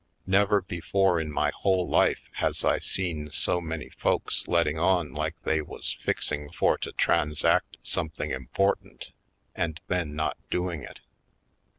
Never before in my v/hole life has I seen so many folks letting on like they was fixing for to transact something important and then not doing it.